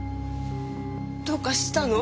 どうかしたの？